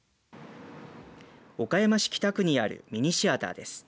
岡山市北区にあるミニシアターです。